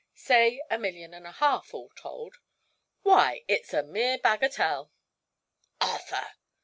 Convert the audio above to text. Say a million and a half, all told. Why, it's a mere bagatelle!" "Arthur!"